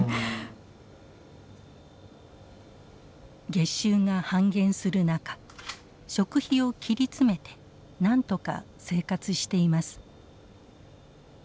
月収が半減する中食費を切り詰めてなんとか生活しています。